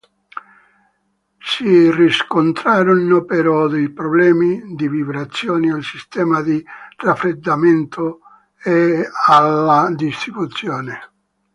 Si riscontrarono però dei problemi di vibrazioni, al sistema di raffreddamento e alla distribuzione.